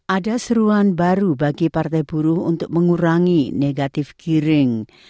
ada seruan baru bagi partai buruh untuk mengurangi negative giring